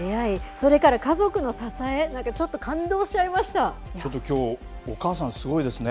それから家族の支え何かちょっとちょっときょうお母さんすごいですね。